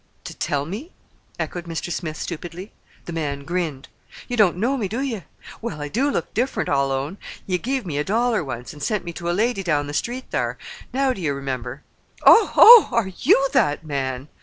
"To tell me?" echoed Mr. Smith stupidly. The man grinned. "Ye don't know me, do ye? Well, I do look diff'rent, I'll own. Ye give me a dollar once, an' sent me to a lady down the street thar. Now do ye remember?" "Oh! oh! Are you that man?"